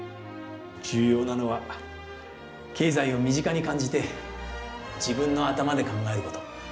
重要なのは経済を身近に感じて自分の頭で考えること。